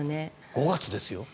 ５月ですよ。